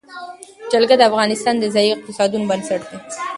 جلګه د افغانستان د ځایي اقتصادونو بنسټ دی.